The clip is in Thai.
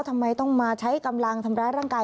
ทำไมต้องมาใช้กำลังทำร้ายร่างกาย